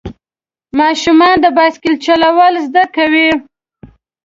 ماشومان د بایسکل چلول زده کوي.